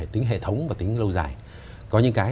tính hệ thống và tính lâu dài có những cái